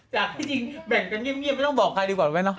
จากที่จริงแบ่งกันเงียบไม่ต้องบอกใครดีกว่ารู้ไหมเนาะ